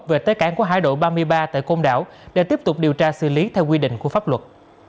về tới cảng của hải đội ba mươi ba tại côn đảo để tiếp tục điều tra xử lý theo quy định của pháp luật